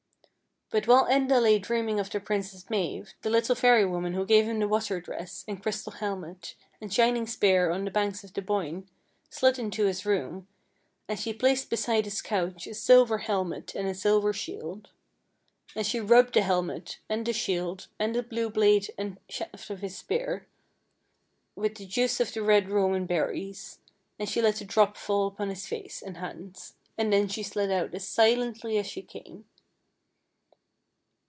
But while Enda lay dreaming of the Princess Mave, the little fairy woman who gave him the 46 FAIRY TALES water dress, and crystal helmet, and shining spear on the banks of the Boyne, slid into his room, and she placed beside his couch a silver helmet and a silver shield. And she rubbed the helmet, and the shield, and the blue blade and haft of his spear with the juice of the red rowan berries, and she let a drop fall upon his face and hands, and then she slid out as silently as she came.